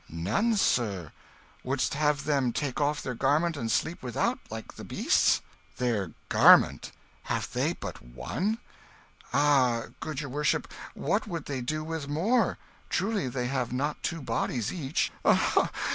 "None, sir. Would'st have them take off their garment, and sleep without like the beasts?" "Their garment! Have they but one?" "Ah, good your worship, what would they do with more? Truly they have not two bodies each."